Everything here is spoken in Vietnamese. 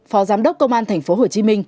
phó giám đốc công an tp hcm